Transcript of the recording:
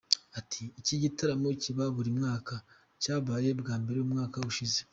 Ati “Iki gitaramo kiba buri mwaka, cyabaye bwa mbere umwaka ushize.